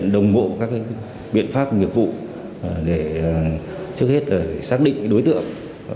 đồng bộ các biện pháp nghiệp vụ để trước hết xác định đối tượng